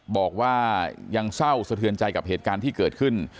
บอกว่ายังเศร้าสะเทือนใจกับเหตุการณ์ที่เกิดขึ้น